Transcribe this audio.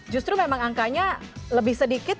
jadi ini adalah angka yang lebih sedikit